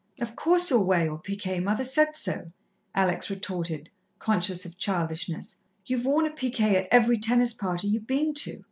"Of course, you'll wear your piqué. Mother said so," Alex retorted, conscious of childishness. "You've worn a piqué at every tennis party you've been to."